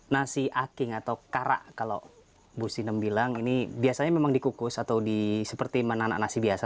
nasi aking atau karak kalau bu sinem bilang ini biasanya memang dikukus atau seperti menanak nasi biasa